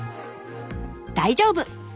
大丈夫！